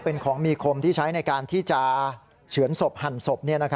เป็นของมีคมที่ใช้ในการที่จะเฉือนศพหั่นศพ